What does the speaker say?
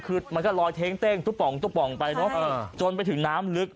คือมันก็ลอยเท้งเต้งตุ๊ป่องตุ๊ป่องไปเนอะจนไปถึงน้ำลึก